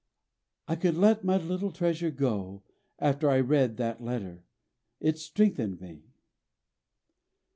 "I could let my little treasure go after I read that letter. It strengthened me."